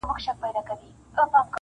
زه چي زهر داسي خورم د موږكانو-